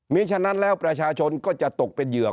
มีฉะนั้นแล้วประชาชนก็จะตกเป็นเหยื่อ